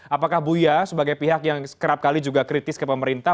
apakah buya sebagai pihak yang kerap kali juga kritis ke pemerintah